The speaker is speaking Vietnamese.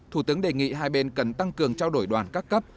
thủ tướng đề nghị hai bên cần tăng cường trao đổi đoàn các cấp